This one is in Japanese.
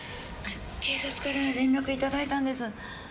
警察から連絡いただいたんです。